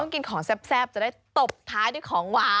กินของแซ่บจะได้ตบท้ายด้วยของหวาน